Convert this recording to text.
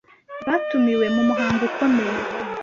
batumiwe mu muhango ukomeye